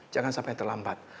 jangan sampai terlambat